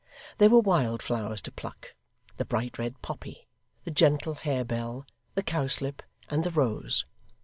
There were wild flowers to pluck the bright red poppy, the gentle harebell, the cowslip, and the rose.